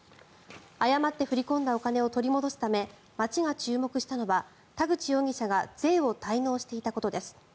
誤って振り込んだお金を取り戻すため町が注目したのは田口容疑者が税を滞納していたことです。